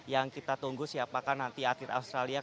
yang kita tunggu siapakah nanti atlet australia